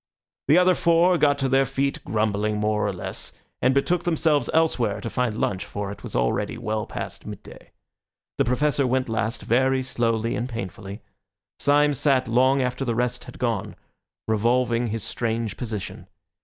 The other four got to their feet grumbling more or less, and betook themselves elsewhere to find lunch, for it was already well past midday. The Professor went last, very slowly and painfully. Syme sat long after the rest had gone, revolving his strange position.